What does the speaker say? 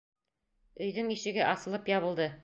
Өйҙөң ишеге асылып ябылды.